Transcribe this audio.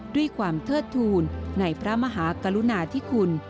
ด้วยความเทิดทูลในพระมหากรุณาธิคุณ